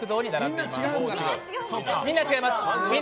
みんな違います。